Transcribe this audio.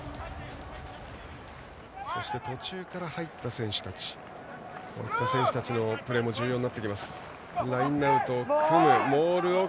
そして、途中から入った選手たちこういった選手たちのプレーも重要になってきます。